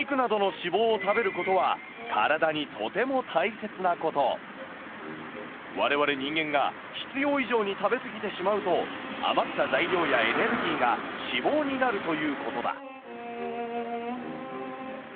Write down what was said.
そうお肉などの我々人間が必要以上に食べ過ぎてしまうと余った材料やエネルギーが脂肪になるということだ。